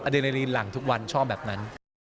อดีตในรีหลังทุกวันชอบแบบนั้น